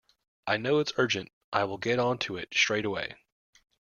I know it's urgent; I’ll get on to it straight away